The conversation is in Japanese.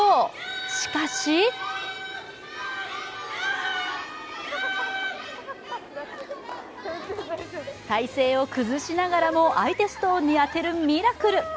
しかし体勢を崩しながらも相手ストーンに当てるミラクル。